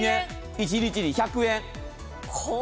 一日に１００円。